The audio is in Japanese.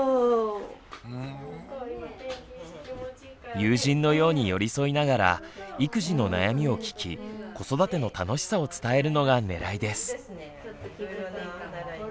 友人のように寄り添いながら育児の悩みを聞き子育ての楽しさを伝えるのがねらいです。